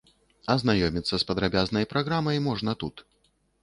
Азнаёміцца з падрабязнай праграмай можна тут.